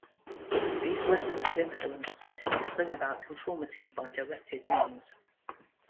These "weapons of influence" attempt to bring about conformity by directed means.